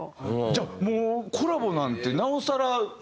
じゃあもうコラボなんてなおさら。